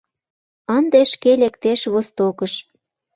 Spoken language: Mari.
Ынде шке лектеш востокыш.